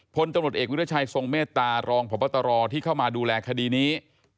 พลตำรวจเอกวิทยาชัยทรงเมตตารองพบตรที่เข้ามาดูแลคดีนี้